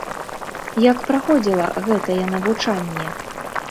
Як праходзіла гэтае навучанне?